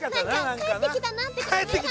帰ってきたなって感じが。